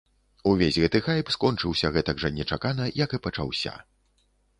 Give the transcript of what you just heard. Увесь гэты хайп скончыўся гэтак жа нечакана, як і пачаўся.